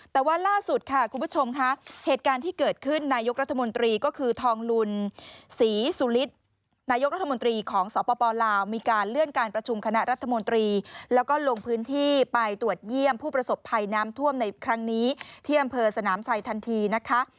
แต่ว่าล่าสุดค่ะคุณผู้ชมค่ะเหตุการณ์ที่เกิดขึ้นนายกรัฐมนตรีก็คือทองลุนศรีสุฤทธิ์นายกรัฐมนตรีของสปลาวมีการเลื่อนการประชุมคณะรัฐมนตรีแล้วก็ลงพื้นที่ไปตรวจเยี่ยมผู้ประสบภัยน้ำท่วมในครั้งนี้ที่อำเภอสนามไซทันทีนะคะ